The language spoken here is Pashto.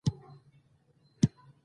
ورځې څلور تر پنځه ساعته